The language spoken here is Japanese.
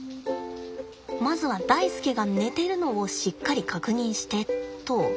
まずはダイスケが寝てるのをしっかり確認してと。